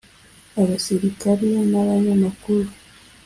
abasilikari n'abanyamakuru.